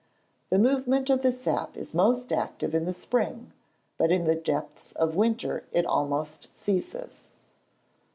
The movement of the sap is most active in the spring; but in the depths of the winter it almost ceases.